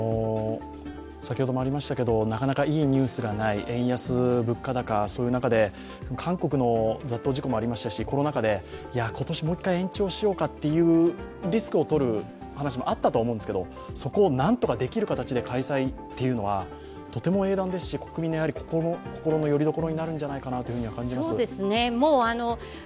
なかなかいいニュースがない、円安、物価高そういう中で、韓国の雑踏事故もありましたし、コロナ禍で、今年、もう一回延長しようかというリスクをとるという話もあったと思うんですけど、そこをなんとかできる形で開催というのはとても英断ですし国民の心のよりどころになるのではないかと感じます。